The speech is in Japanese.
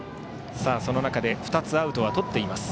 その中で２つアウトはとっています。